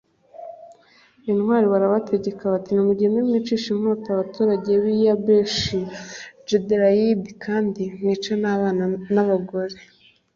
intwari barabategeka bati nimugende mwicishe inkota abaturage b i Yabeshi Gileyadi kandi mwice n abagore n abana